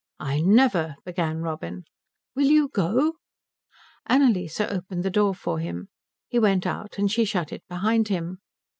"I never" began Robin. "Will you go?" Annalise opened the door for him. He went out, and she shut it behind him.